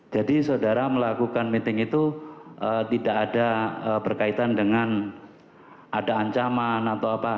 jadi saudara melakukan meeting itu tidak ada berkaitan dengan ada ancaman atau apa